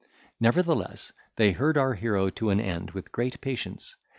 Nevertheless, they heard our hero to an end, with great patience.